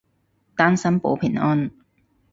單身保平安